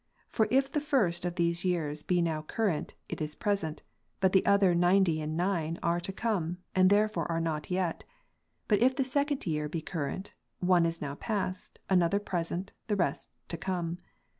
For if the first of these years be now current, it is present, but the other ninety and nine are to come, and therefore are not yet, but if the second year be current, one is now past, another present, the rest to come.